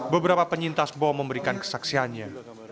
beberapa penyintas bom memberikan kesaksiannya